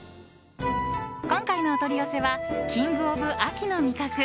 今回のお取り寄せはキングオブ秋の味覚。